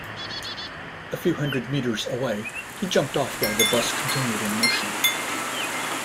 A few hundred metres away, he jumped off while the bus continued in motion.